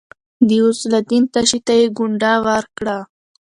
د غوث الدين تشي ته يې ګونډه ورکړه.